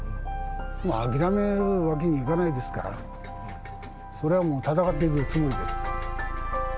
諦めるわけにはいかないですから、それはもう戦っていくつもりです。